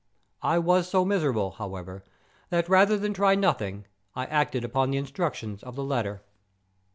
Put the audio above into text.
I was so miserable, however, that, rather than try nothing, I acted upon the instructions of the letter.